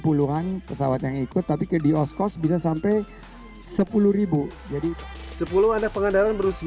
puluhan pesawat yang ikut tapi ke di oskos bisa sampai sepuluh jadi sepuluh anak pengadaran berusia delapan